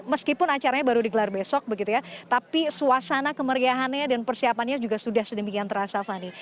jadi kemarin ini sudah dikelar besok begitu ya tapi suasana kemeriahannya dan persiapannya juga sudah sedemikian terasa fani